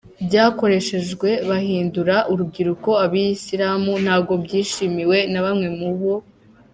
ryakoreshejwe bahindura urubyiruko abayisilamu, ntabwo byishimiwe na bamwe mu.